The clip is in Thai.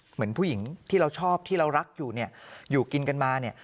เหมือนผู้หญิงที่เราชอบที่เรารักอยู่เนี่ยอยู่กินกันมาเนี่ย